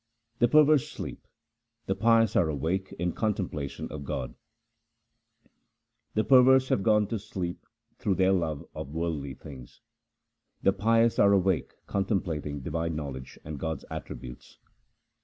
The perverse sleep, the pious are awake in con templation of God :— The perverse have gone to sleep through their love of worldly things ; The pious are awake contemplating divine knowledge and God's attributes.